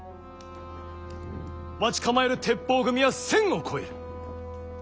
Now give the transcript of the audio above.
待ち構える鉄砲組は１，０００を超える。